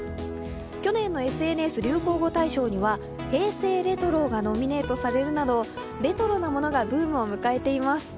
去年のＳＮＳ流行語大賞には平成レトロがノミネートされるなどレトロなものがブームを迎えています。